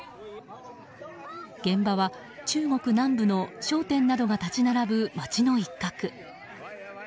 現場は、中国南部の商店などが立ち並ぶ街の一角。